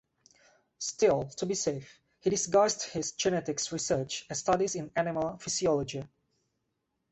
Still, to be safe, he disguised his genetics research as studies in animal physiology.